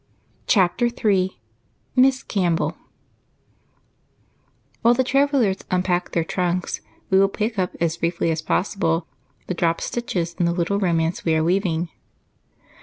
Chapter 3 MISS CAMPBELL While the travelers unpack their trunks, we will pick up, as briefly as possible, the dropped stitches in the little romance we are weaving.